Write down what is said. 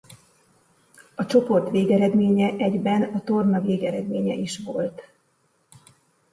A csoport végeredménye egyben a torna végeredménye is volt.